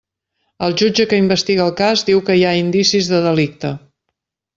El jutge que investiga el cas diu que hi ha indicis de delicte.